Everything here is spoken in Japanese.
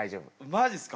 マジすか？